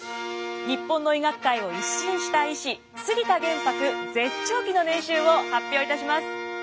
日本の医学界を一新した医師杉田玄白絶頂期の年収を発表いたします！